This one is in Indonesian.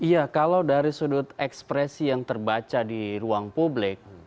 iya kalau dari sudut ekspresi yang terbaca di ruang publik